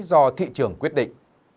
do thị trường quyết định